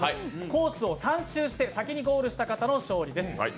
コースを３周して先にゴールした人が勝利です。